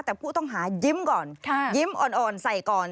แต่ผู้ต้องหายิ้มก่อนยิ้มอ่อนใส่ก่อน